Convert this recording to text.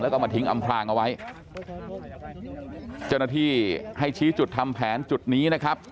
แล้วก็มาทิ้งอำพลางเอาไว้เจ้าหน้าที่ให้ชี้จุดทำแผนจุดนี้นะครับ